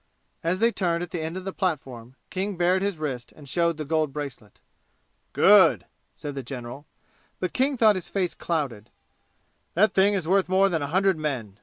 As they turned at the end of the platform King bared his wrist and showed the gold bracelet. "Good!" said the general, but King thought his face clouded. "That thing is worth more than a hundred men.